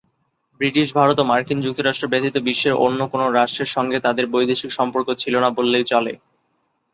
British Bharat ও মার্কিন যুক্তরাষ্ট্র ব্যতীত বিশ্বের অন্য কোন রাষ্ট্রের সঙ্গে তাঁদের বৈদেশিক সম্পর্ক ছিল না বললেই চলে।